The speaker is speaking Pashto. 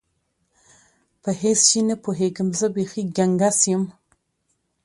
په هیڅ شي نه پوهېږم، زه بیخي ګنګس یم.